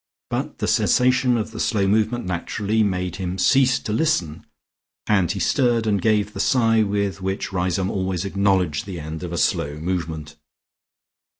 But the cessation of the slow movement naturally made him cease to listen, and he stirred and gave the sigh with which Riseholme always acknowledged the end of a slow movement.